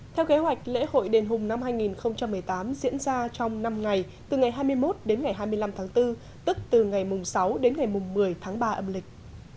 theo kế hoạch lễ hội đền hùng năm hai nghìn một mươi tám diễn ra trong năm ngày từ ngày hai mươi một đến ngày hai mươi năm tháng bốn tức từ ngày sáu đến ngày một mươi tháng ba âm lịch